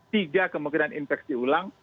tiga kemungkinan infeksi ulang